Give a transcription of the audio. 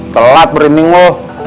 telat merinding lo